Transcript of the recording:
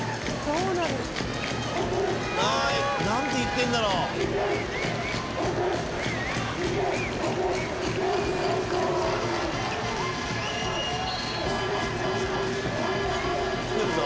何て言ってんだろう？くるぞ。